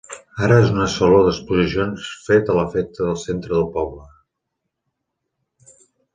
Ara és a un saló d'exposicions fet a l'efecte al centre del poble.